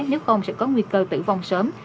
nếu không sẽ có nguy cơ tử vong sớm